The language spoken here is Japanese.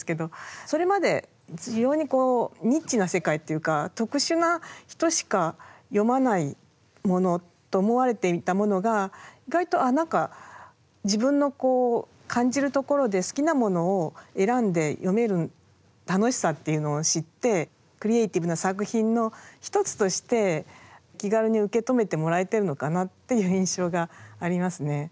それまで非常にこうニッチな世界っていうか特殊な人しか読まないものと思われていたものが意外とあっ何か自分の感じるところで好きなものを選んで読める楽しさっていうのを知ってクリエーティブな作品の一つとして気軽に受け止めてもらえてるのかなっていう印象がありますね。